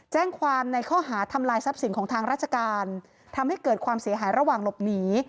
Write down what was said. แจ้งความในข้อหาทำลายทรัพย์สินของทางราชการทำให้เกิดความเสียหายระหว่างหลบหนี